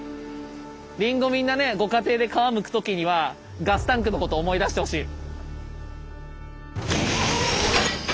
リンゴみんなねご家庭で皮むく時にはガスタンクのことを思い出してほしい。